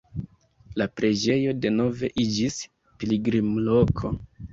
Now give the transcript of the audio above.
La preĝejo denove iĝis pilgrimloko.